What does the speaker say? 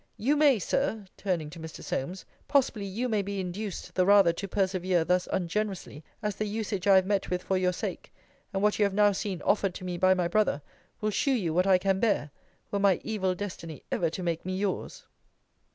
You may, Sir, [turning to Mr. Solmes,] possibly you may be induced the rather to persevere thus ungenerously, as the usage I have met with for your sake, and what you have now seen offered to me by my brother, will shew you what I can bear, were my evil destiny ever to make me yours.